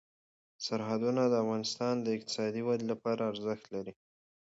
سرحدونه د افغانستان د اقتصادي ودې لپاره ارزښت لري.